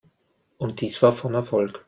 Und dies war von Erfolg.